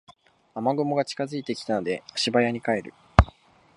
雨雲が近づいてきたので足早に帰る